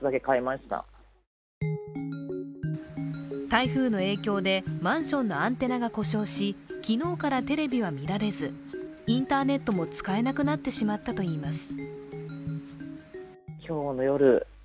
台風の影響で、マンションのアンテナが故障し昨日からテレビは見られず、インターネットも使えなくなってしまったといいます。